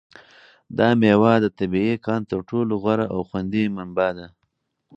دا مېوه د طبیعي قند تر ټولو غوره او خوندي منبع ده.